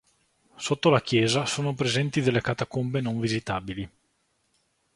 Sotto la chiesa sono presenti delle catacombe non visitabili.